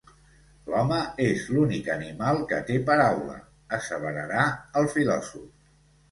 L'home és l'únic animal que té paraula, asseverarà el filòsof.